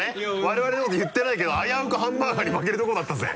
我々のこと言ってないけど危うくハンバーガーに負けるところだったぜ。